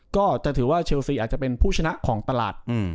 ก็จะถือว่าเชลซีอาจจะเป็นผู้ชนะของตลาด